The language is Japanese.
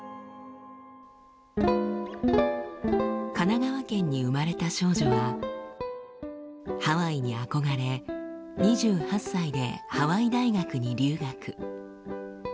神奈川県に生まれた少女はハワイに憧れ２８歳でハワイ大学に留学。